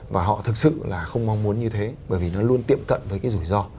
và họ thực sự là không mong muốn như thế bởi vì nó luôn tiệm cận với cái rủi ro